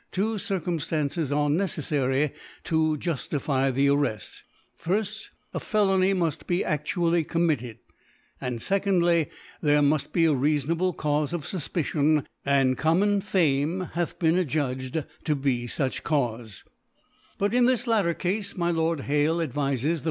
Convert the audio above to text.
two Circumftances are neceflary to juftify the Arreft, i/, A Ftlony muft be aftually committed ; and, 2^jk, there muft be a reafonable Caufe of Sufpicion §; and cdm inon Fame hath been adjudged to be fuch Caufe .' But in this latter Cafe my Lord Hale ad vifes thc.